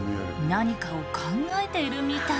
何かを考えているみたい。